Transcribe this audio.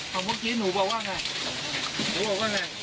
พวกนี้หนูบอกว่าไง